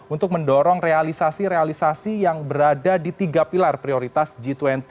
untuk mendorong realisasi realisasi yang berada di tiga pilar prioritas g dua puluh dua ribu dua puluh dua